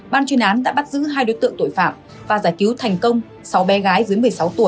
ban chuyên án đã bắt giữ hai đối tượng tội phạm và giải cứu thành công sáu bé gái dưới một mươi sáu tuổi